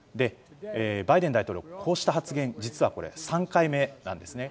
バイデン大統領はこうした発言は実は３回目なんですね。